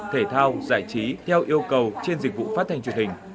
thể thao giải trí theo yêu cầu trên dịch vụ phát thanh truyền hình